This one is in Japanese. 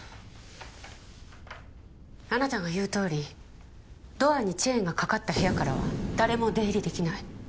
あなたが言うとおりドアにチェーンが掛かった部屋からは誰も出入りできない。